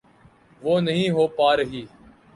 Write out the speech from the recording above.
وہ نہیں ہو پا رہی۔